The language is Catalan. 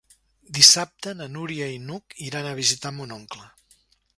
Dissabte na Núria i n'Hug iran a visitar mon oncle.